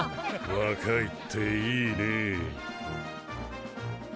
若いっていいねえ。